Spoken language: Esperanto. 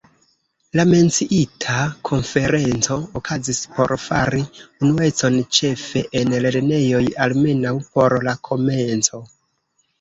La menciita konferenco okazis por fari unuecon ĉefe en lernejoj, almenaŭ por la komenco.